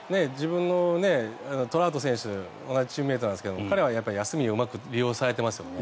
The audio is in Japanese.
トラウト選手同じチームメートですが彼は休みをうまく利用されてますよね。